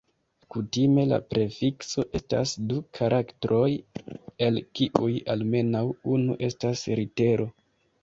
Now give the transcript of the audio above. Kutime la prefikso estas du karaktroj el kiuj almenaŭ unu estas litero.